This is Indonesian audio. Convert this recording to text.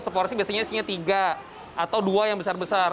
seporsi biasanya isinya tiga atau dua yang besar besar